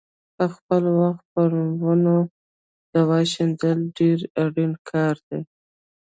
په خپل وخت پر ونو دوا شیندل ډېر اړین کار دی.